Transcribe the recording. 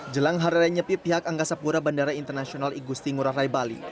jelang hari raya nyepi pihak angga sapura bandara internasional igusti ngurah rai bali